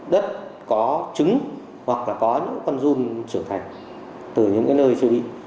đất có trứng hoặc là có những con run trưởng thành từ những cái nơi chưa đi